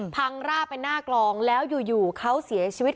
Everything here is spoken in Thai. ราบไปหน้ากลองแล้วอยู่เขาเสียชีวิต